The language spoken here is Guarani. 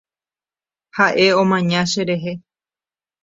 Ha’e omaña cherehe.